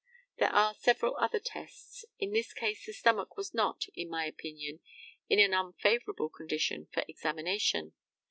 There are several other tests. In this case the stomach was not, in my opinion, in an unfavourable condition for examination.